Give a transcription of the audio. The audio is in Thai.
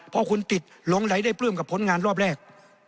พอคุณติดหลงไหลได้ปลื้มกับผลงานรอบแรก